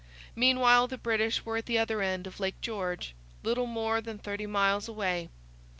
Meanwhile the British were at the other end of Lake George, little more than thirty miles away.